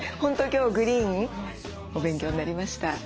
今日グリーンお勉強になりました。